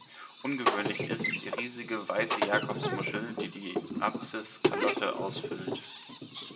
Ungewöhnlich ist die riesige weiße Jakobsmuschel, die die Apsiskalotte ausfüllt.